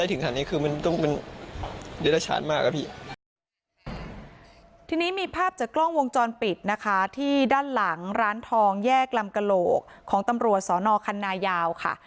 ทีนี้มีภาพจากกล้องวงจรปิดนะคะที่ด้านหลังร้านทองแยกลำกระโหลกของตำรวจสอนอคันนายาวค่ะ